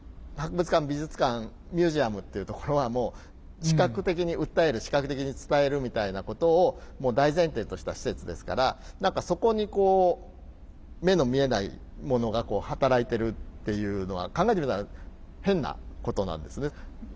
博物館美術館ミュージアムっていうところはもう視覚的に訴える視覚的に伝えるみたいなことを大前提とした施設ですから何かそこにこう目の見えないものが働いてるっていうのは考えてみたら変なことなんですね。